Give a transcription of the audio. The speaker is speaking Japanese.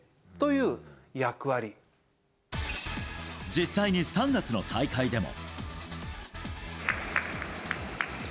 実際に３月の大会でも。